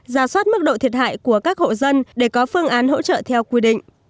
giả soát mức độ thiệt hại của các hộ dân để có phương án hỗ trợ theo quy định